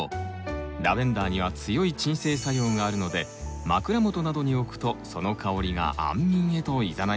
ラベンダーには強い鎮静作用があるので枕元などに置くとその香りが安眠へと誘います。